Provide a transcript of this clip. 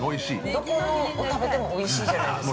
どこのを食べてもおいしいじゃないですか。